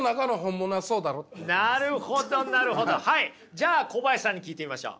じゃあ小林さんに聞いてみましょう。